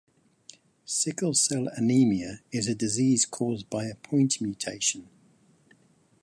Sickle Cell anemia is a disease caused by a point mutation.